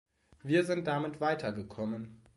Wir sind damit weitergekommen.